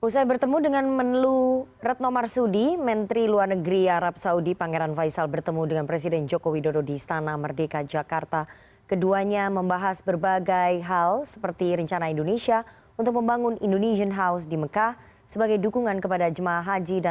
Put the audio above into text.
selama dua tahun indonesia mendapat kuota haji paling banyak untuk jemaah luar negeri